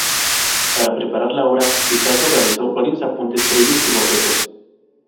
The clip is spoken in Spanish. Para preparar la obra, Picasso realizó varios apuntes previos y bocetos.